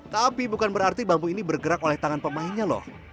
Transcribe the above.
tapi bukan berarti bambu ini bergerak oleh tangan pemainnya loh